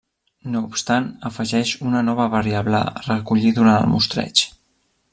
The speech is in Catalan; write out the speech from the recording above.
No obstant afegeix una nova variable a recollir durant el mostreig.